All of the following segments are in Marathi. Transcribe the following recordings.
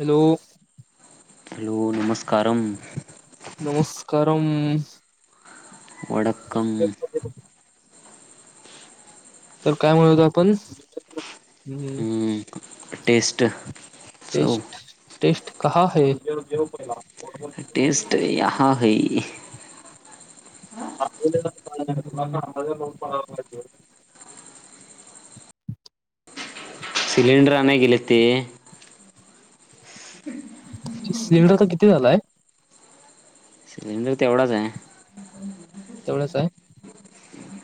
हॅलो. हॅलो, नमस्कारम्म. नमस्कारम्म. वडक्कम तर काय म्हणत होतो आपण. टेस्ट चव टेस्ट टेस्ट. कहा है. टेस्ट यहा है. [unintelligible] [inaudible] सिलेंडर आणाय गेले ते. सिलेंडर आता किती झालाय? [unintelligible] तेवढाच आहे. तेवढंच हाय.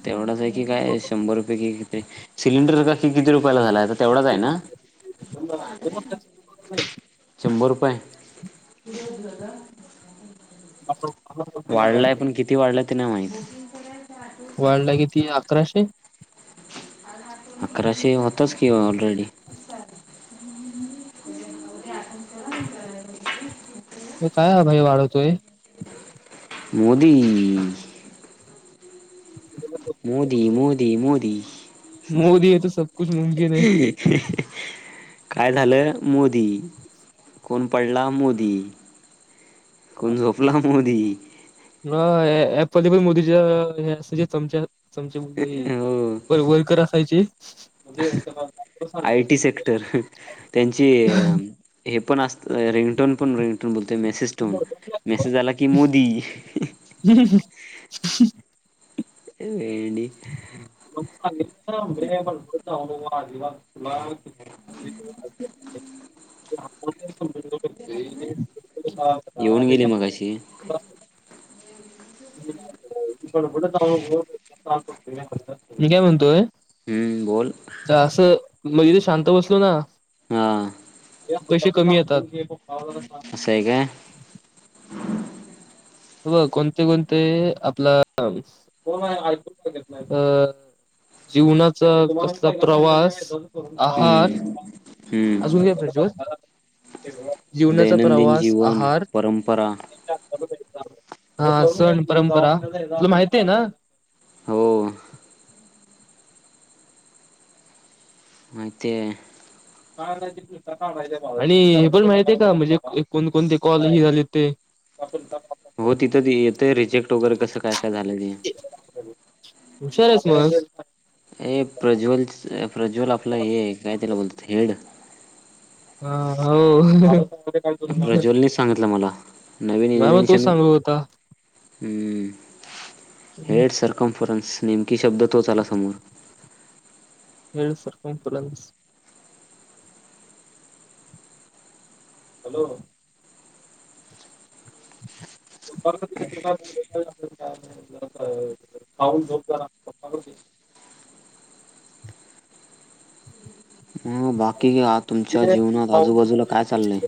तेवढाच आहे कि काय शंभर रुपये कि कि सिलेंडर आता किती रुप [unintelligible] तेवढाच आहे ना. [unintelligible] शंभर रुपये. असो. वाढलाय पण किती वाढलाय ते नाही माहित. वालला किती अकराशे? अकराशे होतच कि ऑलरेडी. त काय भाई वाढवतोय. मोदी. मोदी मोदी मोदी. मोदी आहे तर सब कुछ मुमकिन है काय झालं मोदी कोण पडला मोदी. कोण झोपला मोदी. होय हपली पण मोदीच्या अस चमच्या चमच्या हो [unintelligible] वय वयर्कर असायचे [unintelligible] आय टी सेक्टर हं त्यांची हे पण अस रिंगटोन पण रिंगटोन बोलतोय मेसेज टोन मेसेज आला की मोदी. [inaudible] वेडी [unintelligible] [unintelligible] येऊन गेली मगाशी [unintelligible] [unintelligible] मी काय म्हणतोय. हम्म बोल. [unintelligible] शांत बसलो ना, हा पैसे कमी येतात. असं आहे काय ब कोणते कोणते आपले [unintelligible] अ जीवनाचा कसला प्रवास. आहार हम्म अजून हम्म [unintelligible] जीवनाचा दैनंदिन प्रवास जीवन आहार. परंपरा हा सण परंपरा, तुला माहिती आहे ना? हो. माहितीये. आणि हे पण माहित आहे का म्हणजे कोणकोणते कॉल हे झाले ते. [unintelligible] हो तिथं ते येतय रिजेक्ट वगैरे कसं काय काय झालंय ते. हुशारयस म ए प्रज्वल प्रज्वल आपलं हे हाय काय त्याला बोलतात हेड. हा हा हो मला प्रज्वलनी सांगितलं मला नवीन मग तोच इनवेनशन सांगत होता ह हेड सर्कम नेमकी शब्द तोच आला समोर. हेडसरकमफलन्स हॅलो [inaudible] [unintelligible] हा बोल की मग बाकी आ- तुमच्या जीवनात [inaudible] आजूबाजूला काय चाललंय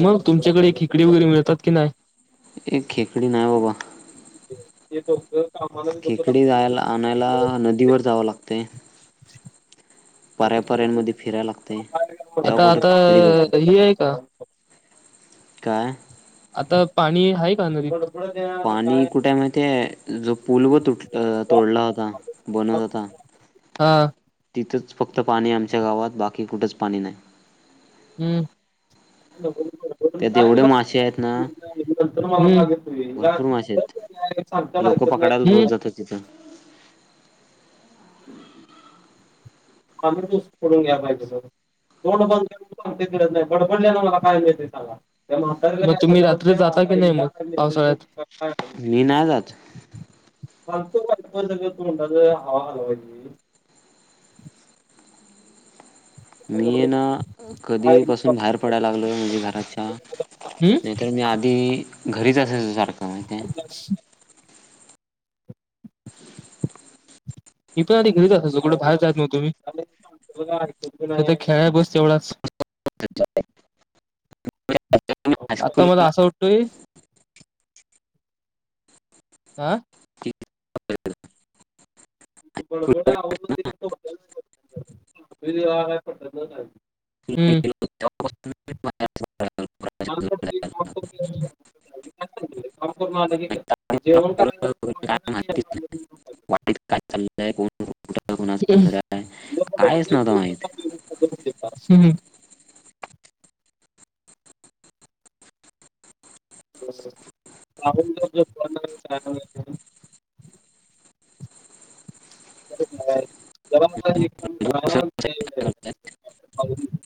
मग तुमच्याकडे खेकडी वगैरे मिळतात की नाई. एक खेकडी नाय बाबा. [unintelligible] खेकडी जायला आणायला नदीवर जावं लागतय. फिरायला लागते तेव्हा आता कुठं आता खेकडी भेटतात ह आहे का. काय आता पाणी आहे का नदीत. पाणी कुठ्य माहितीय जो पूल व तुट तोडला होता बनत होता. [inaudible] तिथंच फक्त पाणी आमच्या गावात बाकी कुठच पाणी नाही. हम्म त्यात एवढे मासे आहेत ना [inaudible] भरपूर काय मासे आहेत सांगत्याल लोक आईकत पकडायला रोज जातात तिथं नाहीत म्हंटल्याव. [inaudible] आम्ही तु करून घ्या पाहिजेस. तोंड बंद ठेव म्हणुन सांगतोय कळत नाई बडबडल्यान मला काय मिळतय सांगा त्या म्हातारीला बर तुम्ही रात्री जाताय मग पावसाळ्यात. मी नाही जात. [inaudible] मी ना कधी पासून बाहेर पडाय लागलोय म्हणजे घराच्या. हम्म नाही तर मी आधी घरीच असायचो सारखं माहितीय. मी पण आधी घरीच असायचो कुठं बाहेर जाईत नव्हतो मी. इथ खेळाय बस तेवढाच. [unintelligible] आता हायस्कूल मला असं वाटतोय. आं [unintelligible] बडबड [unintelligible] [unintelligible] [unintelligible] काम करून आलंकी [unintelligible] जेवण करायचं काय माहितीच [unintelligible] कुठ कुणाच घर हाय कायच नव्हत माहीत. [unintelligible] जरा एक काम माहित करा [unintelligible]